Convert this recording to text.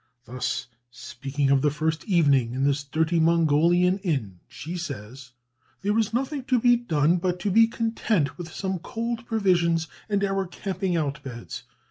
Thus, speaking of the first evening in this dirty Mongolian inn, she says: "There was nothing to be done but to be content with some cold provisions, and our camping out beds.